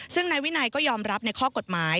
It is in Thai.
ซึ่งนายวินัยก็ยอมรับในข้อกฎหมาย